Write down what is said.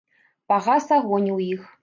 Пагас агонь у іх.